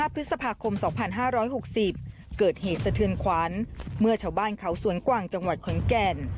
พฤษภาคม๒๕๖๐เกิดเหตุสะเทือนขวัญเมื่อชาวบ้านเขาสวนกวางจังหวัดขอนแก่น